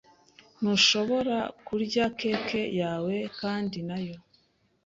Ntushobora kurya cake yawe kandi nayo.